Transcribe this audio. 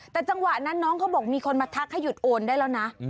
แต่จังหวะนั้นน้องเขาบอกมีคนมาทักให้หยุดโอนได้แล้วนะ